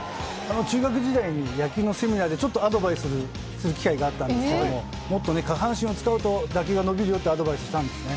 中学時代に野球のセミナーでちょっとアドバイスする機会がありましたがもっと下半身を使うと打球が伸びるよとアドバイスをしたんですね。